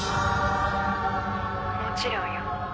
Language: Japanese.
「もちろんよ」